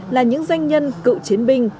là những doanh nhân cựu chiến binh